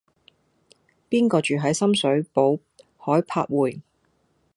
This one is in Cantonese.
邊個住喺深水埗海柏匯